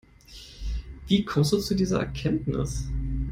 Wie kommst du zu dieser Erkenntnis?